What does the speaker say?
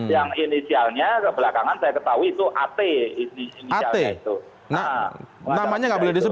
yang inisialnya kebelakangan saya ketahui itu ate